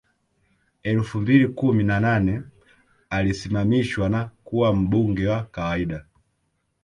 Elfu mbili kumi na nane alisimamishwa na kuwa mbunge wa kawaida